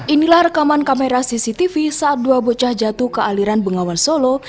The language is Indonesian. inilah rekaman kamera cctv saat dua bocah jatuh ke aliran bengawan solo